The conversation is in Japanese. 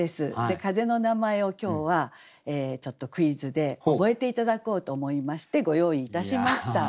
風の名前を今日はちょっとクイズで覚えて頂こうと思いましてご用意いたしました。